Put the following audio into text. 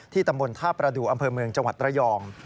ตำบลท่าประดูกอำเภอเมืองจังหวัดระยอง